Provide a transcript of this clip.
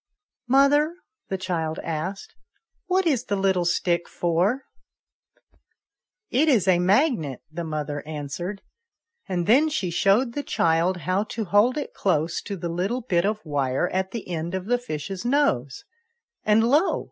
"Mother," the child asked, "what is the little stick for ?" "It is a magnet," the mother answered. And 86 ANYHOW STORIES. [STORY then she showed the child how to hold it close to the little bit of wire at the end of the fish's nose, and lo